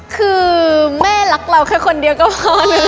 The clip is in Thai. คือแม่รักเราแค่คนเดียวก็พอนะ